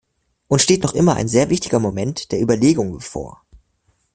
Uns steht noch immer ein sehr wichtiger Moment der Überlegung bevor.